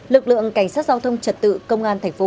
lực lượng cảnh sát giao thông trật tự công an thành phố